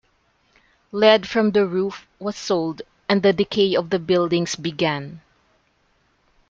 Lead from the roof was sold and the decay of the buildings began.